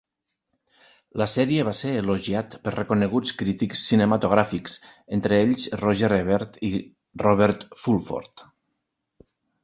La sèrie va ser elogiat per reconeguts crítics cinematogràfics, entre ells Roger Ebert i Robert Fulford.